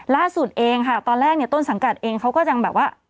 ล่าสุดเองค่ะตอนแรกเนี่ยต้นสังกัดเองเขาก็ยังแบบว่า